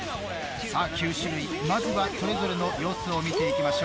さあ９種類まずはそれぞれの様子を見ていきましょう。